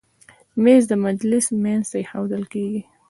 مېز د مجلس منځ ته ایښودل کېږي.